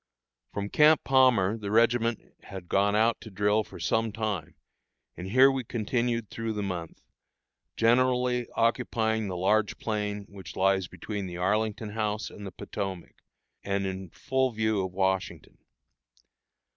From Camp Palmer the regiment had gone out to drill for some time; and here we continued through the month, generally occupying the large plain which lies between the Arlington House and the Potomac, and in full view of Washington.